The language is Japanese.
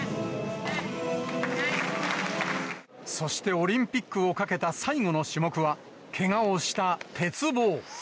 そして、オリンピックをかけた最後の種目はけがをした鉄棒。